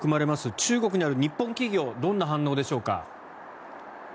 中国にある日本企業どんな反応でしょうか？